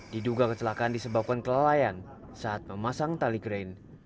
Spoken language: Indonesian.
diduga kecelakaan disebabkan kelelayan saat memasang tali kren